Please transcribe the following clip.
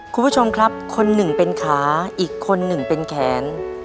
คุณผู้ชมครับคนหนึ่งเป็นขาอีกคนหนึ่งเป็นแขน